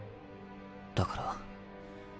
だから。